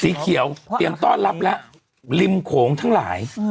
สีเขียวเตรียมต้อนรับแล้วริมโขงทั้งหลาย